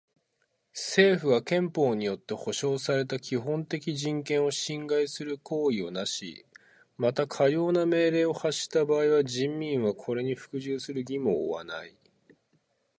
政府が憲法によって保障された基本的人権を侵害する行為をなし、またかような命令を発した場合は人民はこれに服従する義務を負わない。